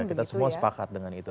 kita semua sepakat dengan itu